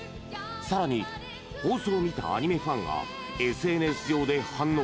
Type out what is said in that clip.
さらに放送を見たアニメファンがＳＮＳ上で反応。